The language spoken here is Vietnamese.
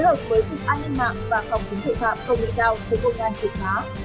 thối hợp với thịt an ninh mạng và phòng chứng trị phạm công nghệ cao của công an triển phá